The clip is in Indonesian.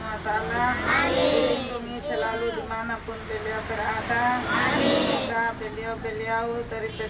sumur dan begitu pula orangnya tetap selalu sehat walafiar